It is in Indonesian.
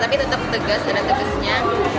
tapi tetap tegas ada tegasnya